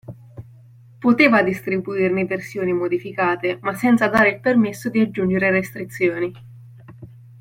Poteva distribuirne versioni modificate, ma senza dare il permesso di aggiungere restrizioni.